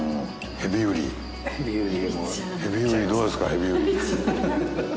ヘビウリどうですかヘビウリ。